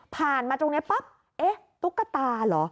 มาตรงนี้ปั๊บเอ๊ะตุ๊กตาเหรอ